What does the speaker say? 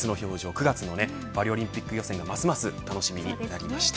９月のパリオリンピック予選がますます楽しみになりました。